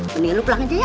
mending lo pulang aja ya